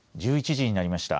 １１時になりました。